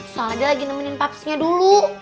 soalnya dia lagi nemenin papsinya dulu